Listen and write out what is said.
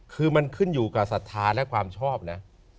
คือมันขึ้นอยู่กับศรัทธาและความชอบนะ